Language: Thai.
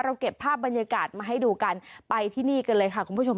เก็บภาพบรรยากาศมาให้ดูกันไปที่นี่กันเลยค่ะคุณผู้ชม